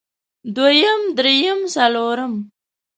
دويم درېيم څلورم